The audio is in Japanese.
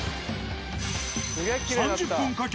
３０分かけ